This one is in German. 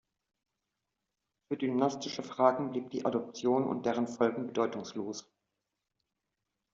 Für dynastische Fragen blieb die Adoption und deren Folgen bedeutungslos.